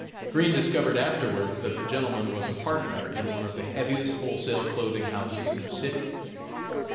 Green discovered afterwards that the gentleman was a partner in one of the heaviest wholesale clothing houses in the city.